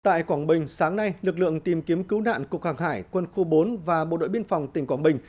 tại quảng bình sáng nay lực lượng tìm kiếm cứu nạn cục hàng hải quân khu bốn và bộ đội biên phòng tỉnh quảng bình